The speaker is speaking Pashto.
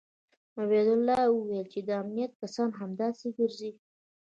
عبدالله وويل چې د امنيت کسان همداسې ګرځي.